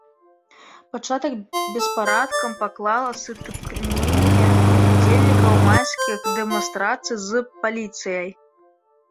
Пачатак беспарадкам паклала сутыкненне ўдзельнікаў майскіх дэманстрацый з паліцыяй.